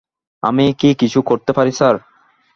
আমি কি কিছু করতে পারি স্যার?